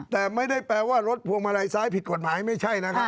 แต่ไม่ได้แปลว่ารถพวงมาลัยซ้ายผิดกฎหมายไม่ใช่นะครับ